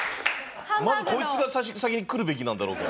まずこいつが先に来るべきなんだろうけど。